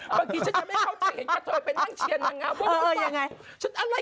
เมื่อกี้ฉันยังไม่เข้าใจเห็นกับเธอยไปนั่งเชียร์หนังงาน